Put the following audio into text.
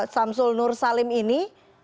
samsul nur salim ini